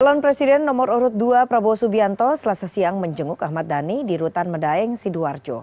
calon presiden nomor urut dua prabowo subianto selasa siang menjenguk ahmad dhani di rutan medaeng sidoarjo